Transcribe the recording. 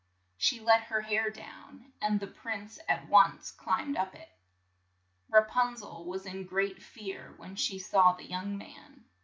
She let her hair down, and the prince at once climbed up. Ra pun zel was in great fear when she saw the young man.